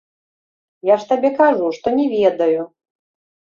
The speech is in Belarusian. Я ж табе кажу, што не ведаю.